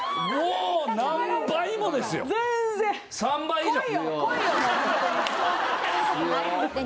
３倍以上。